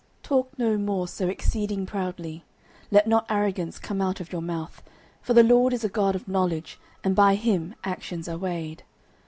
09:002:003 Talk no more so exceeding proudly; let not arrogancy come out of your mouth: for the LORD is a God of knowledge, and by him actions are weighed.